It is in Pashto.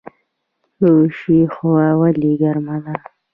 دوشي هوا ولې ګرمه ده؟